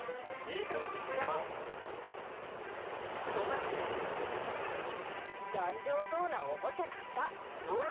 こまちに頑丈そうなおもちゃ買った。